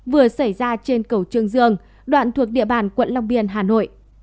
vừa xảy ra trên cầu trương dương đoạn thuộc địa bàn quận long biên hà nội